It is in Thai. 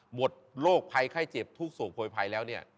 หมดโรคคล้ายเจ็บพูดโสกโผลยภัยแล้วเนี่ย